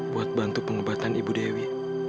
buat bantu pengobatan ibu dewi